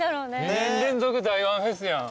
２年連続台湾フェスやん。